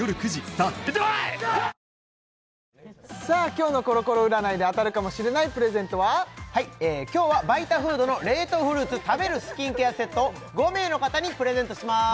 今日のコロコロ占いで当たるかもしれないプレゼントは今日はＶＩＴＡＦＯＯＤの冷凍フルーツ食べるスキンケアセットを５名の方にプレゼントします